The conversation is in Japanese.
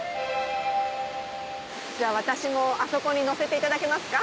じゃあ私もあそこに載せていただけますか？